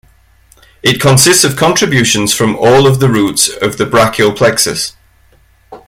It consists of contributions from all of the roots of the brachial plexus.